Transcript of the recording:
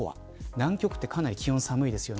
南極はかなり気温が寒いですよね。